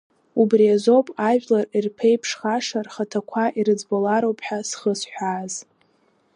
Убри азоуп ажәлар ирԥеиԥшхаша рхаҭақәа ирыӡбалароуп ҳәа зхысҳәааз!